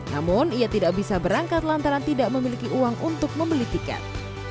namun ia tidak bisa berangkat lantaran tidak memiliki uang untuk membeli tiket